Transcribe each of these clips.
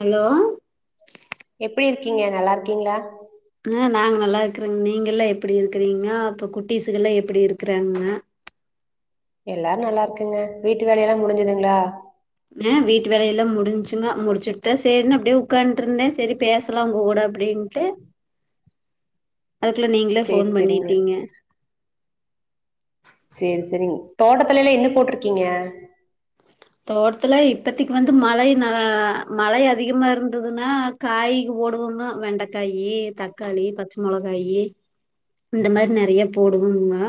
hello எப்டி இருக்கீங்க நல்லா இருக்கீங்ளா ஆ நாங்க நல்லா இருக்றோங் நீங்கள்லா எப்படி இருக்றீங்கோ அப்போ குட்டீஸகள்லா எப்டி இருக்குறாங்க எல்லாரு நல்லா இருக்குங்க வீட்டு வேலைய எல்லா முடிஞ்சுதுங்களா ஆ வீட்டு வேலை எல்லா முடிஞ்சுங்க முடிச்சுட்தா சரினு அப்டியே உக்காந்து இருந்தே சரி பேஸ் லாங் கூட அப்டின்ட்டு அதுக்குள்ள நீங்ளே சேரி போன் சேரிங்க பண்ணிட்டீங்க செரி செரிங்க தோட்டத்துல எல்லா என்ன போட்ருக்கீங்க தோட்டத்ல இப்பதைக்கு வந்து மழை நா மழை அதிகமா இருந்ததுன்னா காய்கு போடுவோங்கோ வெண்டைக்காயி தக்காளி பச்ச மொளகாயி இந்த மாரி நெறைய போடுவோங்கா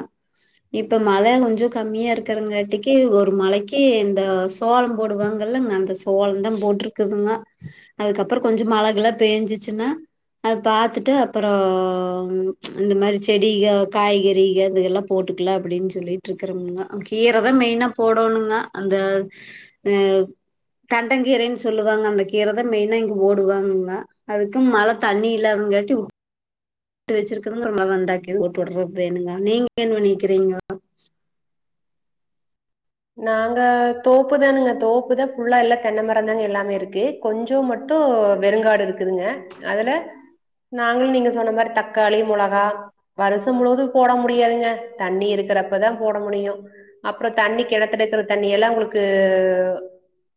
இப்ப மழ கொஞ்சோ கம்மியா இருக்கறங்காட்டிக்கு ஒரு மழைக்கு இந்த ஸ் சோளோ போடுவாங்கல்லங்க அந்த சோளந்தா போட்டிருக்குதுங்க அதுக்கப்றோ கொஞ்சோ மழ கிழ பேஞ்சிச்சுன்னா அது பாத்துட்டு அப்றோ அந்த மாரி செடிக காய்கறிக அதுகெல்லா போட்டுக்குலா அப்டின் சொல்லிட் இருக்றனுங்க கீர தா மெயினா போடோணுங்க அந்த அ தண்டன் கீரைன் சொல்லுவாங்க அந்த கீர தா மெயினா இங்க போடுவாங்கங்க அதுக்கு மழ தண்ணி இல்லாதுன் காட்டி உ ட்டு வெச்சிருக்கறங்க [inaudible] மருமவ வந்தாக்கீது ஓட்டு ஓட்றக் வேணுங்க நீங்க என்ன பண்ணீர்க்கிறீங்கோ நாங்க தோப்புதானுங்க தோப்புதா ஃபுல்லா எல்லா தென்ன மரந்தாங்க எல்லாமே இருக்கு கொஞ்சோ மட்டு வெறுங்காடு இருக்குதுங்க அதுல நாங்களு நீங்க சொன்ன மாரி தக்காளி, மொளகா வருசோ முழுவது போட முடியாதுங்க தண்ணி இருக்கிறப்பதா போட முடியு அப்பறோ தண்ணிக்கு கெணத்தெடுக்கிற தண்ணி எல்லா உங்களுக்கு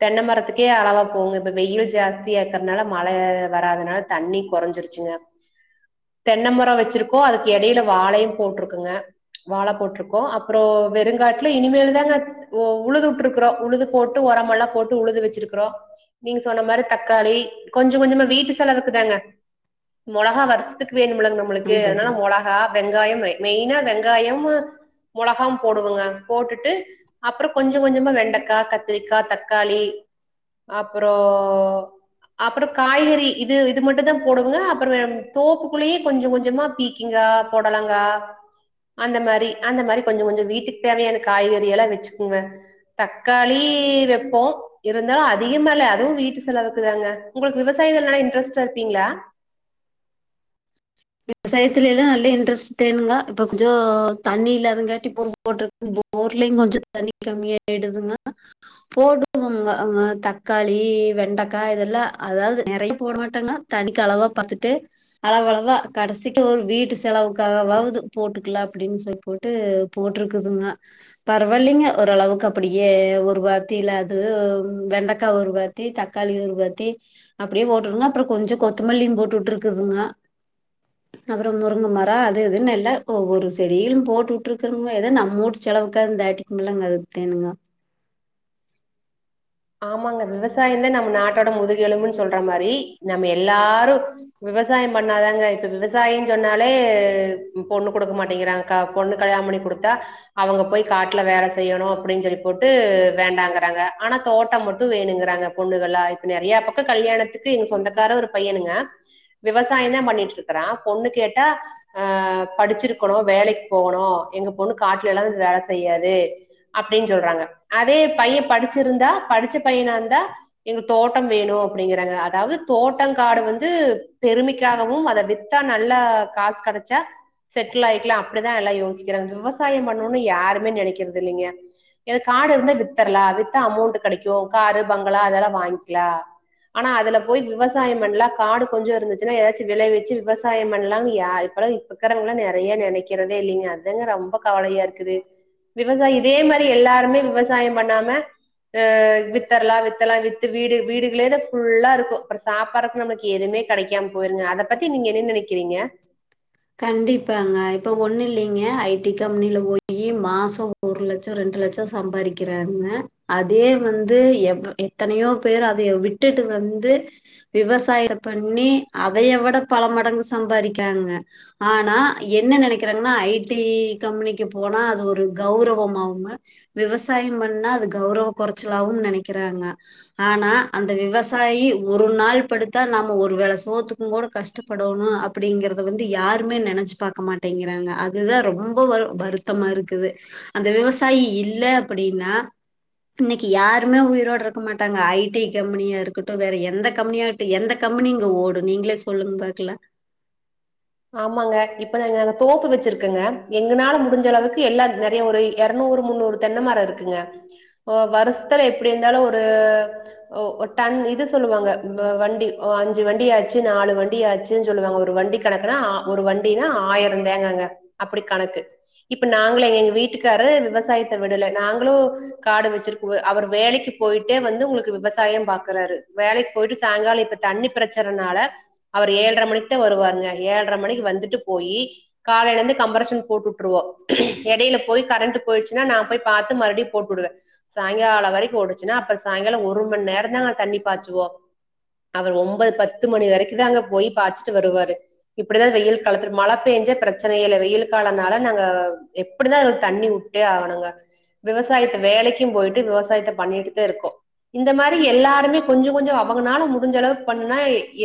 தென்ன மரத்துக்கே அளவா போகுங்க இப்ப வெயில் ஜாஸ்தியா இருக்கற்னால மழ வராதுனால தண்ணி கொறஞ்சிருச்சுங்க தென்ன மரோ வெச்சிருக்கோ அதுக் எடைல வாழையு போட்ருக்குங்க வாழ போட்ருக்கோ அப்பறோ வெறுங்காட்ல இனிமேலு தாங்க ஒ உழுது உட்ருக்கறோ உழுது போட்டு ஒரமெல்லா போட்டு உழுது வெச்சிருக்கறோ நீங்க சொன்ன மாரி தக்காளி கொஞ்ச கொஞ்சமா வீட்டு செலவுக்குதாங்க மொளகா வருஸ்த்துக் வேணுமில்லங் நம்மளுக்கு அதுனால மொள கா வெங்காயமு மெய்னா வெங்காயமு மொளகாவு போடுவங்க போட்டுட்டு அப்பறோ கொஞ்ச கொஞ்சமா வெண்டக்கா, கத்திரிக்கா, தக்காளி அப்பறோ அப்பறோ காய்கறி இது இது மட்டுந்தா போடுவங்க அப்பறோ தோப்புக்குள்ளியு கொஞ்ச கொஞ்சமா பீக் கிங்கா, பொடலங்கா அந்த மாரி அந்த மாரி கொஞ்ச கொஞ்சோ வீட்டுக் தேவையான காய்கறி எல்லா வெச்சுக்ங்க தக்காளி வெப்போ இருந்தாலு அதிகமா இல்ல அதுவு வீட்டு செலவுக்கு தாங்க உங்களுக் விவசாய இதுல் நல்லா இன்ட்ரெஸ்ட்டா இருப்பீங்ளா விவசாயத்துலெல்லா நல்லா இன்ட்ரெஸ்ட் தேனுங்கோ இப்ப கொஞ்சோ தண்ணி இல்லாதங்காட்டி இப்பொரு மோட்ரு போர்லயு கொஞ்ச தண்ணி கம்மியாய்டுதுங்க போடுவோங்க அங்க தக்காளி, வெண்டக்கா இதெல்லா அதாவ்து நெறைய போட மாட்டங்க தண்ணிக்களவா பாத்துட்டு அளவளவா கடைசிக்கு ஒரு வீட்டு செலவுக்காகவாவ்து போட்டுக்கலா அப்டின் சொல்லி போட்டு போட்ருக்குதுங்க பரவால்லிங்க ஓரளவுக்கு அப்படியே ஒரு பாத்தில அது வெண்டக்கா ஒரு பாத் தி தக்காளி ஒரு பாத்தி அப்பிடியே போட்டுருங்க அப்பறோ கொஞ்ச கொத்துமல்லியு போட்டு உட்ருக்குதுங்க அப்பறோ முருங்க மரோ அது இதுன் எல்லா ஒவ்வொரு செடியிலு போட்டு உட்ருக்கறங்க எதோ நம்ம வூட்டு செலவுக்காது தாட்டி மில்லங்க அதுக் தேனுங்க ஆமாங்க விவசாயந்தா நம்ம நாட்டோட முதுகெலும்புன் சொல்ற மாரி நம்ம எல்லாரு விவசாயம் பண்ணாதாங்க இப்ப விவசாயோன் சொன்னாலே உ பொண்ணு குடுக்க மாட்டேங்கிறாங்க கா பொண்ணு கல்யாணம் பண்ணி குடுத்தா அவுங்க போய் காட்ல வேல செய்யோனு அப்டின் சொல்லி போட்டு வேண்டாங்கறாங்க ஆனா தோட்டம் மட்டு வேணுங்கறாங்க பொண்ணுகல்லா இப்ப நெறயா பக்கோ கல்யாணத்துக்கு எங்க சொந்தக்கார ஒரு பையனுங்க விவசாயந்தா பண்ணிட்ருக்கறா பொண்ணு கேட்டா ஆ படிச்சிருக்கணு வேலைக் போகணு எங்க பொண்ணு காட்லெல்லா வந்து வேல செய்யாது அப்டின் சொல்றாங்க அதே பைய படிச்சிருந்தா படிச்ச பையனார்ந்தா எங்களுக் தோட்டம் வேணு அப்டிங்கறாங்க அதாவ்து தோட்டோ, காடு வந்து பெருமைக்காகவு அத வித் தா நல்லா காஸ் கெடச்சா செட்டில் ஆய்க்கலா அப்பிடிதா எல்லா யோசிக்கிறாங் விவசாயோ பண்ணோனுன் யாருமே நெனைக்கிறதில்லீங்க ஏனா காடு இர்ந்தா வி்த்தரலா வித்தா அமௌண்ட்டு கெடைக்கு காரு, பங்களா அதெல்லா வாய்ங்க்கிலா ஆனா அதுல போய் விவசாயம் பண்லா காடு கொஞ்சோ இருந்துச்சுன்னா எதாச்சு விளைவிச்சு விவசாயம் பண்லாங் யா இப்பலா விக்கறவங்ளா நெறைய நெனக்கிறதே இல்லீங்க அதாங்க ரொம்ப கவலையா இருக்குது விவசாயோ இதே மாரி எல்லாருமே விவசாயம் பண்ணாம அ வித்தரலா வித்தர்லா வித்து வீடு வீடுகளே தா ஃபுல்லா இருக்கு அப்பறோ சாப்பட்றக் நம்ளுக் எதுமே கெடைக்காம போயிருங்க அத பத்தி நீங்க என்ன நெனக்கிறீங்க கண்டிப்பாங்க இப்ப ஒண்ணு இல்லைங்க ஐ டி கம்பெனில போயி மாசோ ஒரு லட்சோ ரெண்டு லட்சோ சம்பாரிக்கிறாங்க அதே வந்து எவ் எத்தனையோ பேர் அதய விட்டுட்டு வந்து விவசாயம் பண்ணி அதய விட பல மடங்கு சம்பாரிக்காங்க ஆனா என்ன நெனக்கறாங்கன்னா ஐ டி கம்பெனிக்கு போனா அது ஒரு கெளரவம் ஆவுங்க விவசாயம் பண்ணா அது கௌரவ கொறச்சலாவு நெனக்கறாங்க ஆனா அந்த விவசாயி ஒரு நாள் படுத்தா நாம ஒரு வேள சோத்து ங்கோட கஷ்டப்படணு அப்டிங்கறது வந்து யாருமே நெனச்சு பாக்க மாட்டேங்கிறாங்க அதுதான் ரொம்ப வரு வருத்தமா இருக்குது அந்த விவசாயி இல்ல அப்பிடின்னா இன்னிக்கு யாருமே உயிரோட இருக்க மாட்டாங்க ஐ டி கம்பெனியா இருக்கட்டு வேற எந்த கம்பெனியா ட்டு எந்த கம்பெனி இங்க ஓடு நீங்களே சொல்லுங்க பாக்கலா ஆமாங்க இப்ப நாங்க தோப்பு வச்சுருக்கங்க எங்கனால முடிஞ்ச அளவுக்கு எல்லா நறைய ஒரு எரநூறு முன்னூறு தென்ன மரோ இருக்குங்க ஒ வருஷத்துல எப்டி இருந்தாலு ஒரு ஓ டன் இது சொல்லுவாங்க வண்டி ஒ அஞ்சு வண்டி ஆச்சு நாலு வண்டி ஆச்சு சொல்லுவாங்க ஒரு வண்டிக் கணக்குனா ஒரு வண்டினா ஆயிரோ தேங்காங்க அப்படி கணக்கு இப்ப நாங்களே எங்க எங்க வீட்டுக்காரு விவசாயத்த விடல நாங்களு காடு வச்சிருக் அவர் வேலைக்கு போயிட்டே வந்து உங்களுக்கு விவசாயம் பாக்குறாரு வேலைக்கு போயிட்டு சாயங்காலோ இப்பத் தண்ணி பிரச்சனனால அவர் ஏழர மணிக்கு தா வருவாருங்க ஏழர மணிக்கு வந்துட்டு போயி காலையில இந்து கம்பரஷன் போட்டு உட்டுருவோ எடையில போய் கரண்ட் போயிடுச்சுன்னா நா போய் பாத்து மறுபடியு போட்டு உடுவே சாயங்காலோ வரைக்கு ஓடுச்சுன்னா அப்பறோ சாயங்காலோ ஒரு மண் நேரந்தா நா தண்ணி பாசுவோ அவர் ஒன்பது பத்து மணி வரைக்கு தாங்க போய் பாச்சுட்டு வருவாரு இப்படிதா வெயில் காலத்து மழ பேஞ்சா பிரச்சன இல்ல வெயில் காலனால நாங்க எப்படிதாருன் தண்ணி உட்டே ஆகணுங்க விவசாயத்த வேலைக்கும் போயிட்டு விவசாயத்த பண்ணிட்டுதே இருக்கோ இந்த மாரி எல்லாருமே கொஞ்சோ கொஞ்சோ அவங்கனா முடிஞ்ச அளவுக்கு பண்ணா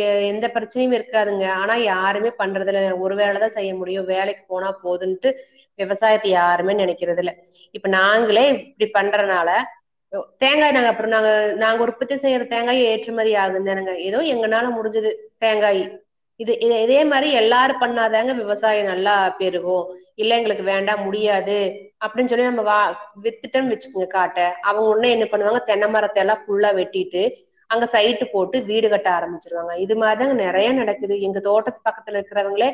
எ எந்த பிரச் சனையுமே இருக்காதுங்க ஆனா யாருமே பண்றதுல்ல ஒரு வேலதா செய்ய முடியு வேலைக்கு போனா போதுன்ட்டு விவசாயத்த யாருமே நெனக்கறதுல்ல இப்ப நாங்களே இப்டி பண்றனால தேங்கா நாங்க அப்பறோ நாங்க நாங்க உற்பத்தி செய்யற தேங்காய ஏற்றுமதி ஆகுந்தானங்க ஏதோ எங்கனால முடிஞ்சது தேங்காய் இது இத இதே மாரி எல்லாரும் பண்ணாதாங்க விவசாயம் நல்லா பெருகு இல்ல எங்களுக்கு வேண்டா முடியாது அப்டின்னு சொல்லி நம்ம வா வித்துட்டம் வச்சுக்கோங்க காட்ட அவங்க ஒன்னு என்ன பண்ணுவாங்க தென்ன மரத்த எல்லா ஃபுல்லா வெட்டிட்டு அங்க சைட்டு போட்டு வீடு கட்ட ஆரம்பிச்சிருவாங்க இது மாரிதாங்க நறைய நடக்குது எங்க தோட்ட பக்கத்துல இருக்கிறவுங்ளே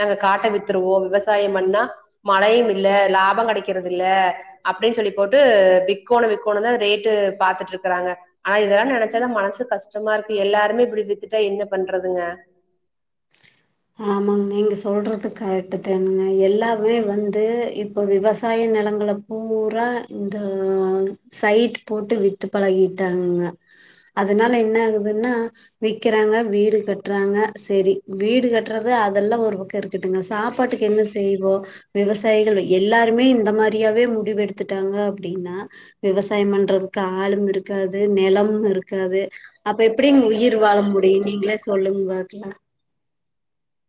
நாங்க கட்ட வித்துருவோ விவசாயம் பண்ணா மழையும் இல்ல லாபம் கடைக்கிறது இல்ல அப்டின்னு சொல்லி போட்டு விக்கோனு விக்கோனுதா ரேட்டு பாத்துட்டு இருக்கறாங்க ஆனா இதெல்லா நனைச்சாதா மனசு கஷ்டமா இருக்கு எல்லாருமே இப்படி வித்துட்டா என்ன பண்றதுங்க ஆமாங்க நீங்க சொல்றது கரெட்டுத்தானுங்க எல்லாமே வந்து இப்போ விவசாய நெலங்கள பூரா இந்த சைட் போட்டு வித்து பழகிட்டாங்கங்க அதனால என்ன ஆகுதுன்னா விக்கறாங்க வீடு கட்டுறாங்க சரி வீடு கட் றது அதெல்லா ஒரு பக்கோ இருக்கட்டுங்க சாப்பாட்டுக்கு என்ன செய்வோ விவசாயிகள் எல்லாருமே இந்த மாரியாவே முடிவு எடுத்துட்டாங்க அப்டின்னா விவசாயம் பண்றதுக்கு ஆளும் இருக்காது நெலமு இருக்காது அப்ப எப்டிங்க உயிர் வாழ முடியு நீங்களே சொல்லுங்க பாக்கால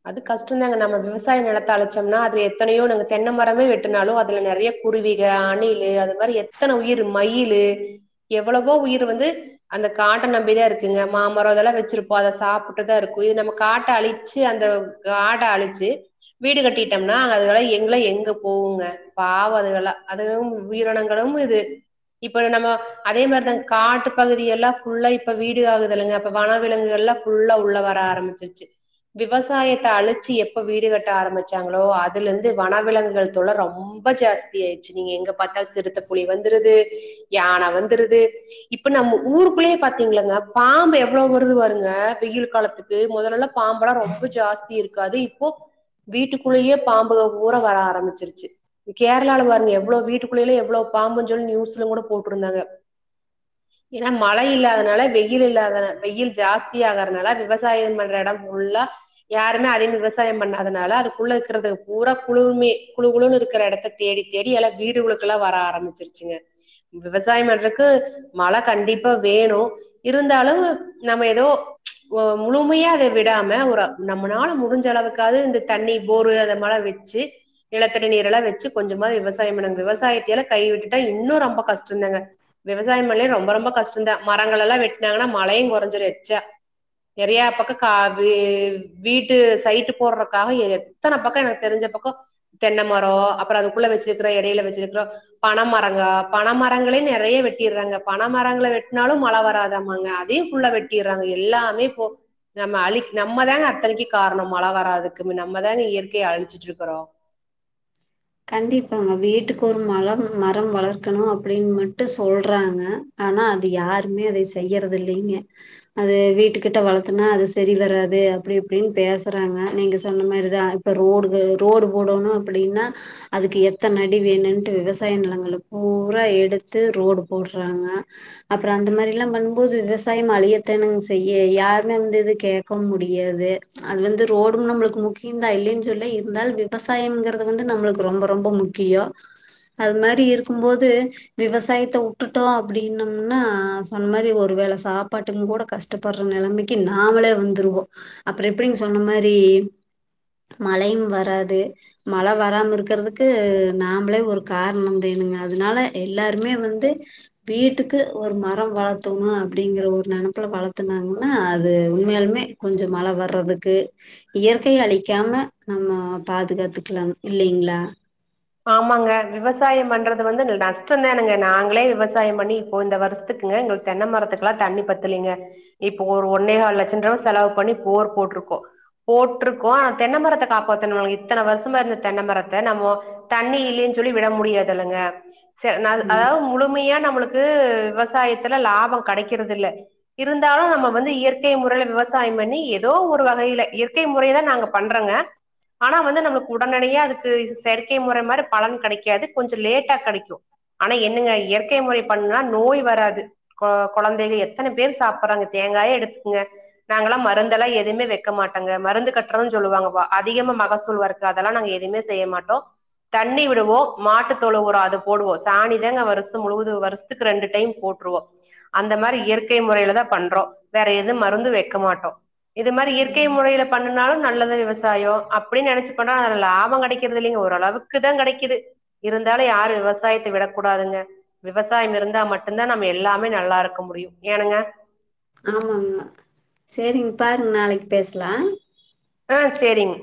அது கஷ்டந்தாங்க நம்ம விவசாய நெலத்த அளச்சோம்னா அதுல எத்தனையோ நாங்க தென்ன மரமே வெட்டனாலு அதுல நறைய குருவிக அணிலு அது மாரி எத்தன உயிரு மயிலு எவ்வளவோ உயிரு வந்து அந்த காட்ட நம்பிதா இருக்குங்க மாமரோ இதெல்லா வெச்சிருப்போ அத சாப்புட்டுதா இருக்கோ இது நம்ம காட்ட அழிச்சு சுத்தி அந்த காட்ட அழிச்சி வீடு கட்டிட்டோம்னா அதுகலா எங்ல எங்க போவுங்க பாவோ அதுகலா அதுகலும் உயிரினங்களும் இது இப்ப நம்ம அதே மாரிதா காட்டு பகுதியெல்லா ஃபுல்லா இப்ப வீடு ஆகுதலுங்க இப்ப வனவிலங்கு எல்லா ஃபுல்லா உள்ள வர ஆரம்பிச்சிருச்சு விவசாயத்த அழிச்சு எப்ப வீடு கட்ட ஆரம்பிச்சாங்களோ அதுல இருந்து வனவிலங்கு தொல்ல ரொம் ப ஜாஸ்தி ஆயிச்சு நீங்க எங்க பாத்தால் சிறுத்த புலி வந்துருது யான வந்துருது இப்ப நம்ம ஊருக்குள்ளயே பாத்தீங்களங்கா பாம்பு எவ்வளோ வருது பாருங்க வெயில் காலத்துக் கு மொதலல்லா பாம்பலா ரொம்ப ஜாஸ்தி இருக்காது இப்போ வீட்டுக்குள்ளயே பாம்புக பூறா வர ஆரம்பிச்சிருச்சு இ கேரளால பாருங்க எவ்ளோ வீட்டுக்குள்ளயலா எவ்ளோ பாம்புஞ்சொல்லி நியூஸ்லுயுங் கூட போட்ருந்தாங்க ஏன்னா மழை இல்லாதனால வெயில் இல்லாத வெயில் ஜாஸ்தி ஆகாதனால விவசாயம் பண்ற இடம் ஃபுல்லா யாருமே அதிகமா விவசாயம் பண்ணாததுனால அதுக்குள்ள இருக்கிறதுக்கு பூரா குழுமே குழு குழுன்னனு இருக்குற எடத்துக் தேடி தேடி எல்லா வீடுகளுக்குல்ல வர ஆரம்பிச்சிருச்சுங்க விவசாயம் பண்றக்கு மழ கண்டிப்பா வேணோ இருந்தாலு நம்ம ஏதோ முழுமையா அதை விடாம ஒரு நம்மளால முடிஞ்ச அளவுக்காவது இந்த தண்ணி போரு அத மால வெச்சு நிலத்தடி நீரல்லா வெச்சு கொஞ்சமா விவசாயம் பண்ணுங்க விவசாயத்தையெல்லா கை விட்டுட்டா இன்னு ரொம்ப கஷ்டோந்தாங்க விவசாயம் பண்லயா ரொம்ப ரொம்ப கஷ்டோந்தா மரங்கள் எல்லா வெட்டனாங்கன்னா மழையு கொறைஞ்சிடோ எச்சா நறையா பக்கோ காவி வீட்டு சைட்டு போடுறக்காக எத்தன பக்கோ எனக்கு தெரிஞ்ச பக்கோ தென்ன மரோ அப்புறோ அதுக்குள்ள வெச்சிருக்குறோ எடையில வெச்சிருக்றோ பனமரங்க பனைமரங்களே நறைய வெட்டிடுறாங்க பனமரங்கள வெட்னாலு மழை வராதாமாங்க இதியு ஃபுல்லா வெட்டிறாங்க எல்லாமே போ நம்ம அழி நம்ம தாங்க இத்தனக்கி காரணோ மழ வராதுக்கு நம்ம தாங்க இயற்கைய அழிச்சிட்ருக்கறோ கண்டிப்பாங்க வீட்டுக்கு ஒரு மழம் மரம் வளக்கணோ அப்டீன் மட்டு சொல்றாங்க ஆனா அத யாருமே அதை செய்யறது இல்லீங்க அது வீட்டுக்கிட்ட வளத்தோனா அது சரி வராது அப்டி இப்டீன்னு பேசுறாங்க நீங்க சொன்ன மாரிதா இப்ப ரோடு ரோடு போடணோ அப்படீன்னா அதுக்கு எத்தமடி வேணுன்ட்டு விவசாயோ நெலங்கலா பூரா எடுத்து ரோடு போட்றாங்க அப்றோ அந்த மேரில்லா பண்ணும்போது விவசாயம் அழியத்தானங்க செய்யோ யாருமே வந்து இது கேக்க முடியாது அது வந்து ரோடும் நம்முளுக்கு முக்கியந்தா இல்லைன்னு சொல்ல இருந்தாலு விவசாயம்ங்கிறது வந்து நம்புளுக் கு ரொம்போ ரொம்போ முக்கியோ அது மாரி இருக்கும்போது விவசாயத்த உட்டுட்டோ அப்டீன்னும்னா சொன்ன மேரி ஒரு வேள சாப்பாட்டுங்கூட கஷ் ட பட்ற நெலமைக்கி நாமளே வந்துருவோ அப்றோ எப்டிங் சொன்ன மாரி மழையும் வராது மழ வராம இருக் கிறதுக்கு நாம்ளே ஒரு காரணோ தேணுங்க அதனால எல்லாருமே வந்து வீட்டுக்கு ஒரு மரம் வளத்தோமா அப்டீங்கற ஒரு நெனப்புல வளத்துங்னாங்னா அது உண்மையாலுமே கொஞ்சோ மழ வர்றதுக்கு இயற்கைய அழிக்காம நம்மோ பாதுகாத்துக்லாங் இல்லீங்ளா ஆமாங்க விவசாயம் பண்றது வந்து நஷ்டோ தானுங்க நாங்ளே விவசாயம் பண்ணி இப்போ இந்த வருஷ்த்துக்கு ங்க எங்களுக்கு தென்ன மரத்துக்குலா தண்ணி பத்தலீங்க இப்போ ஒரு ஒன்னேகால் லட்சன்ரூவா செலவு பண்ணி போர் போட்ருக்கோ போட்ருக்கோ ஆனா தென்ன மரத்த காப்பாத்தனும் இத்தன வருஷமா இருந்த தென்ன மரத்த நம்மோ தண்ணி இல்லேன் சொல்லி விட முடியாதெல்லங்க செர் நா அத் ஆமா அதாவது முழுமையா நம்ளுக் கு விவசாயித்துல லாபோ கெடைக்கறது இல்ல இருந்தாலோ நம்ம வந்து இயற்கை முறைல விவசாயம் பண்ணி ஏதோ ஒரு வகையில இயற்கை முறையதா நாங்க பண்றங்க ஆனா வந்து நம்ளுக்கு உடனடியா அதுக்கு இது செரிக் கை முறை மாரி பலன் கடைக்காது கொஞ்சோ லேட்டா கெடைக்கோ ஆனா என்னங்க இயற்கை முறை பண்ணா நோய் வராது கொ கொழந்தைங்க எத்தன பேர் சாப்பறாங்க தேங்காயே எடுத்துக்ங்க நாங்களா மருந்தெல்லா எதுமே வெக்க மாட்டோங்க மருந்து கட்றதுன் சொல்லுவாங்கபா அதிகமா மகசூல் வர் ர அதலா நாங்க எதைமே செய்ய மாட்டோ தண்ணி விடுவோ மாட்டுத்தொழுவ உறோ அத போடுவோ சாணிதாங்க வருஷோ முழுவதோ வருஷ்துக்கு ரெண்டு டைம் போட்ருவோ அந்த மேரி இயற்கை முறையில தா பண்றோ வேற எதோ மருந்தோ வெக்க மாட்டோ இது மாரி இயற்கை முறையிலப் பண்ணுனாலோ நல்லது விவசாயோ அப்டின் நெனைச்சுப்பன்றோ ஆனா அதுல லாபோ கடைக்கிற்தில்லிங்க ஓரளவுக் கு தா கெடைக்குது இருந்தாலோ யாரு விவசாயத்த விடக்கூடாதுங்க விவசாயம் இருந்தா மட்டுந்தா நம்ம எல்லாமே நல்லாருக்க முடியும் ஏனுங்க ஆமாங்க சேரிங் பாருங் நாளைக்பேஸ்லா ஆ சேரிங்